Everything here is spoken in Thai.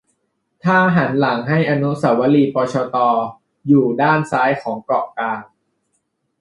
ถ้าหันหลังให้อนุเสาวรีย์ปชต อยู่ด้านซ้ายของเกาะกลาง